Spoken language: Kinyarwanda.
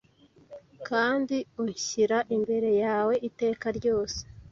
Kandi unshyira imbere yawe iteka ryose